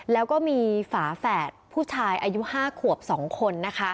แล้วก็มีฝาแฝดผู้ชายอายุ๕ขวบ๒คน